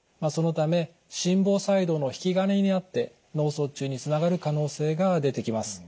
そのため心房細動の引き金になって脳卒中につながる可能性が出てきます。